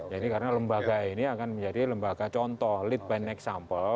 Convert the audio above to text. jadi karena lembaga ini akan menjadi lembaga contoh lead by an example